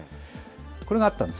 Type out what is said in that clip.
これがあったんです。